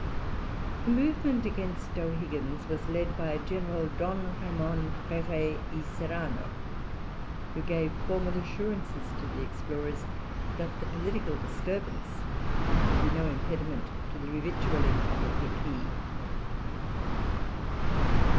The movement against O'Higgins was led by a General D. Ramon Freire y Serrano, who gave formal assurances to the explorers that the political disturbance should be no impediment to the revictualling of the Coquille.